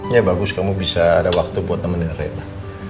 ya bagus kamu bisa ada waktu buat nemenin rena